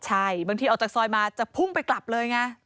ใช่บางทีออกจากซอยมาจะพุ่งไปกลับเลยไง